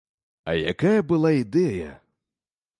А якая была ідэя!